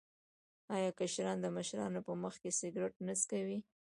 آیا کشران د مشرانو په مخ کې سګرټ نه څکوي؟